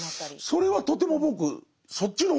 それはとても僕そっちの方がいい形。